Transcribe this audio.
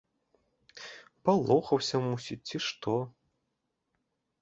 Палохаўся, мусіць, ці што.